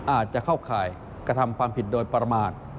อาจจะเข้าข่ายกระทำความผิดโดยประมาท